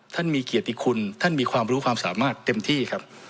ท่านมีเกียรติคุณท่านมีความรู้ความสามารถเต็มที่ครับ